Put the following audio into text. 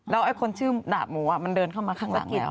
แล้วคนชื่อดาบหมูมันเดินเข้ามาข้างหลังแล้ว